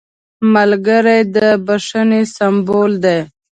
ملګری د بښنې سمبول دی